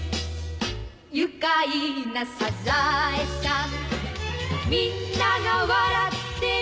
「愉快なサザエさん」「みんなが笑ってる」